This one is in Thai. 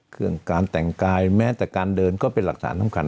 เครื่องการแต่งกายแม้แต่การเดินก็เป็นหลักฐานสำคัญ